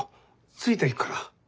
ついていくから。